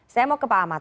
saya mau ke pak ahmad